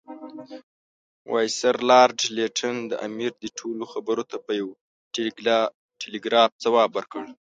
وایسرا لارډ لیټن د امیر دې ټولو خبرو ته په یو ټلګراف ځواب ورکړ.